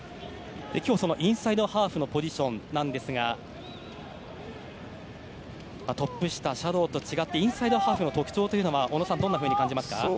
今日、インサイドハーフのポジションですがトップ下、シャドーと違ってインサイドハーフの特徴は小野さん、どう感じますか。